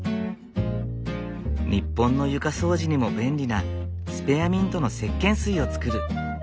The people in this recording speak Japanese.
日本の床掃除にも便利なスペアミントのせっけん水を作る。